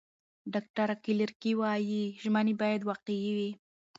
ډاکټره کلیر کای وايي، ژمنې باید واقعي وي.